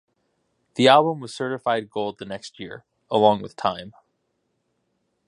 The album was certified gold the next year, along with "Time".